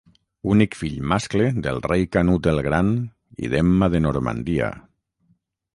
Únic fill mascle del rei Canut el Gran i d'Emma de Normandia.